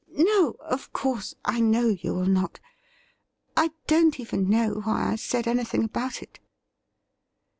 ' No, of course, I know you will not. I don't even know why I said anything about it.'